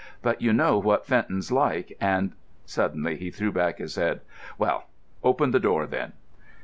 "But you know what Fenton's like, and——" Suddenly he threw back his head. "Well!—open the door, then!"